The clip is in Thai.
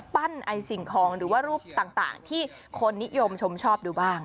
ไอ้สิ่งของหรือว่ารูปต่างที่คนนิยมชมชอบดูบ้าง